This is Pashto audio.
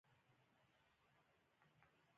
آیا د واده ډوډۍ ته ټول کلی نه راغوښتل کیږي؟